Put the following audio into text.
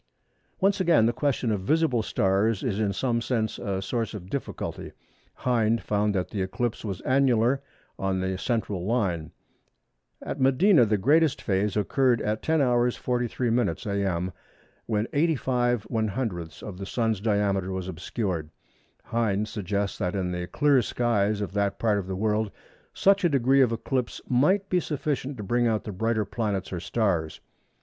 Once again the question of visible stars is in some sense a source of difficulty. Hind found that the eclipse was annular on the central line. At Medina the greatest phase occurred at 10h. 43m. a.m. when 85/100ths of the Sun's diameter was obscured. Hind suggests that in the clear skies of that part of the world such a degree of eclipse might be sufficient to bring out the brighter planets or stars.